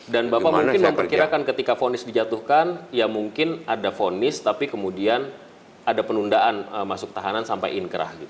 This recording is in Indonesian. dan bapak mungkin memperkirakan ketika vonis dijatuhkan ya mungkin ada vonis tapi kemudian ada penundaan masuk tahanan sampai inkrah gitu